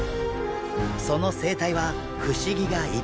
その生態は不思議がいっぱい。